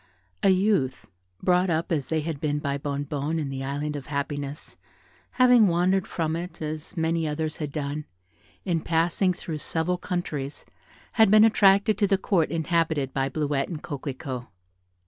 A youth, brought up, as they had been, by Bonnebonne, in the Island of Happiness, having wandered from it, as many others had done, in passing through several countries, had been attracted to the Court inhabited by Bleuette and Coquelicot.